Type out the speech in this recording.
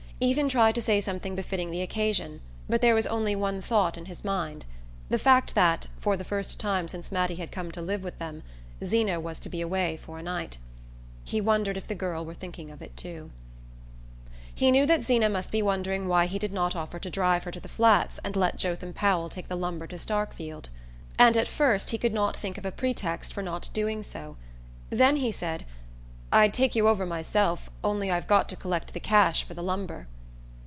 Ethan tried to say something befitting the occasion, but there was only one thought in his mind: the fact that, for the first time since Mattie had come to live with them, Zeena was to be away for a night. He wondered if the girl were thinking of it too.... He knew that Zeena must be wondering why he did not offer to drive her to the Flats and let Jotham Powell take the lumber to Starkfield, and at first he could not think of a pretext for not doing so; then he said: "I'd take you over myself, only I've got to collect the cash for the lumber."